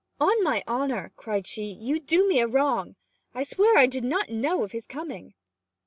'On my honour,' cried she, 'you do me a wrong. I swear I did not know of his coming!'